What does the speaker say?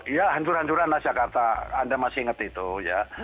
ya hancur hancuran lah jakarta anda masih ingat itu ya